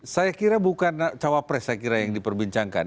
saya kira bukan cawapres yang diperbincangkan